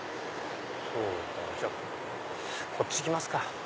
じゃあこっち行きますか。